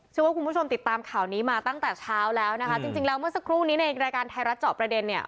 คุณผู้ชมติดตามข่าวนี้มาตั้งแต่เช้าแล้วนะคะจริงจริงแล้วเมื่อสักครู่นี้ในรายการไทยรัฐเจาะประเด็นเนี่ย